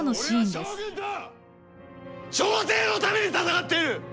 朝廷のために戦っている！